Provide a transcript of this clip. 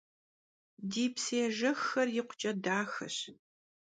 Di psıêjjexxer yikhuç'e daxeş.